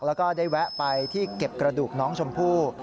แล้วก็ได้แวะไปที่เก็บกระดูกน้องชมพู่